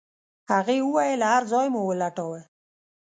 هغې وويل هر ځای مو ولټاوه.